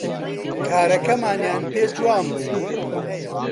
کارەکەمانیان پێ جوان بوو